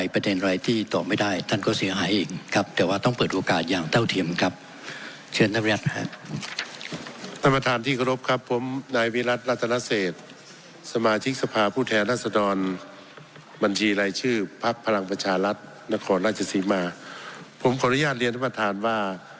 ผมก็จะเรียนท่านประธานว่า